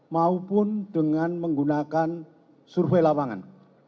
maupun dengan menggunakan survei lapangan